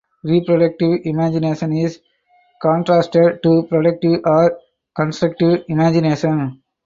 Reproductive imagination is contrasted to productive or constructive imagination.